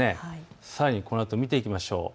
さらにこのあと見ていきましょう。